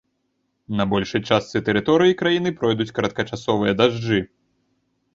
На большай частцы тэрыторыі краіны пройдуць кароткачасовыя дажджы.